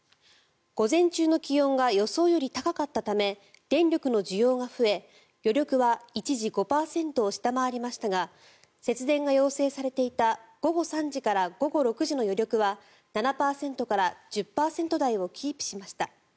午前中の気温が予想より高かったため電力の需要が増え余力は一時５％を下回りましたが節電が要請されていた午後３時から午後６時の余力は７％から１０％台をキープしました。